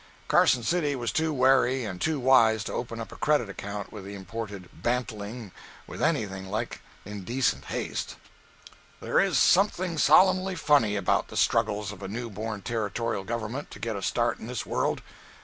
Carson City was too wary and too wise to open up a credit account with the imported bantling with anything like indecent haste. There is something solemnly funny about the struggles of a new born Territorial government to get a start in this world.